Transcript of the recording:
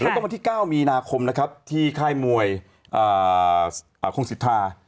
แล้วก็วันที่๙มีนาคมที่ค่ายมวยโครงศิษฐา